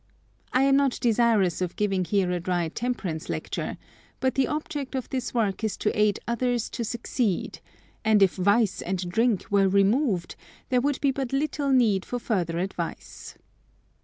I am not desirous of giving here a dry temperance lecture; but the object of this work is to aid others to success, and if vice and drink were removed there would be but little need for further advice.